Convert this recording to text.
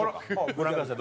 ご覧ください